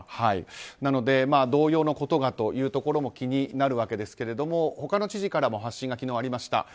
なので同様のことがというところも気になるわけですが他の知事からも発信が昨日、ありました。